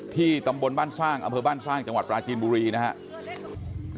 ตำบลบ้านสร้างอำเภอบ้านสร้างจังหวัดปราจีนบุรีนะครับ